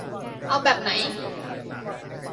เอาแบบไหน ?